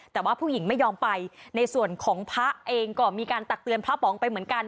แต่ว่าผู้หญิงไม่ยอมไปในส่วนของพระเองก็มีการตักเตือนพระป๋องไปเหมือนกัน